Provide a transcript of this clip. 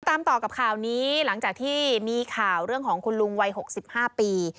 ตามต่อกับข่าวนี้หลังจากที่มีข่าวเรื่องของคุณลุงวัย๖๕ปี